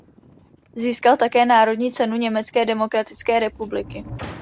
Získal také Národní cenu Německé demokratické reúpubliky.